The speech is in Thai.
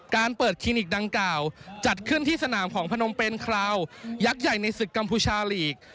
การเปิดคลินิกดังกล่าวจัดขึ้นที่สนามของพนมเป็นคราวยักษ์ใหญ่ในศึกกัมพูชาลีก